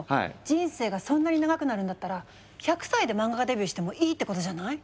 人生がそんなに長くなるんだったら１００歳で漫画家デビューしてもいいってことじゃない？